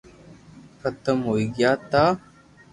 ختم ھوئي گيا تا